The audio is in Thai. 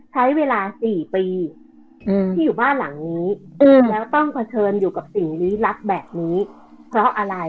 ใช้เวลา๔ปีที่อยู่บ้านหลังนี้แล้วต้องเผชิญอยู่กับสิ่งลี้ลับแบบนี้เพราะอะไร